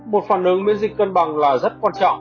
một phản ứng miễn dịch cân bằng là rất quan trọng